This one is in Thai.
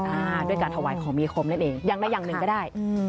อ่าด้วยการถวายของมีคมนั่นเองอย่างนึงก็ได้